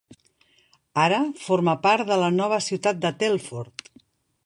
Ara forma part de la nova ciutat de Telford.